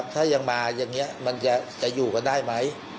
ถ้ายังมาอย่างนี้มันจะอยู่กันได้ไหม